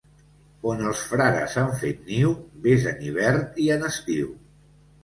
On els frares han fet niu, ves en hivern i en estiu.